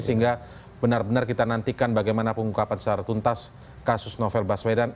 sehingga benar benar kita nantikan bagaimana pengungkapan secara tuntas kasus novel baswedan